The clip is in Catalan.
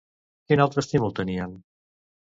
Quin altre estímul tenien?